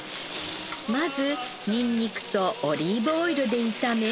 まずニンニクとオリーブオイルで炒め。